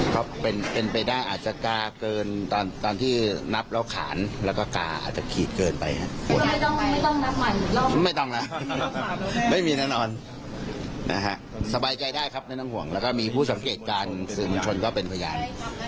สบายใจได้ครับน้องน้องห่วงแล้วก็มีผู้สังเกตการซึ่งชนก็เป็นพยาน